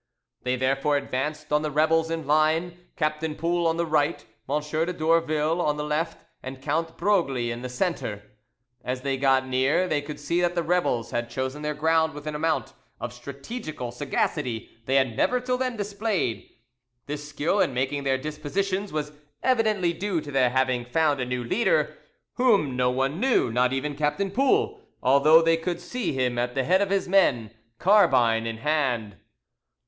They therefore advanced on the rebels in line: Captain Poul on the right, M. de Dourville on the left, and Count Broglie in the centre. As they got near they could see that the rebels had chosen their ground with an amount of strategical sagacity they had never till then displayed. This skill in making their dispositions was evidently due to their having found a new leader whom no one knew, not even Captain Poul, although they could see him at the head of his men, carbine in hand.